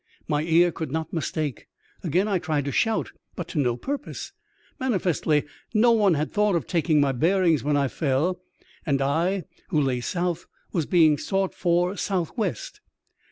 My ear could not mistake. Again I tried to shout, but to no purpose. Manifestly no one had thought of taking my bearings when I fell, and I, who lay south, was being sought for south west.